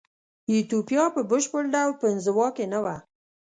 ایتوپیا په بشپړ ډول په انزوا کې نه وه.